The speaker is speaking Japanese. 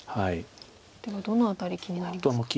ではどの辺り気になりますか。